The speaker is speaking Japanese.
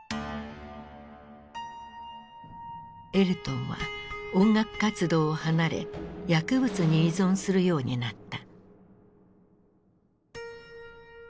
エルトンは音楽活動を離れ薬物に依存するようになった。